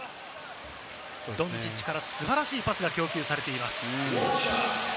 ドンチッチから素晴らしいパスが供給されています。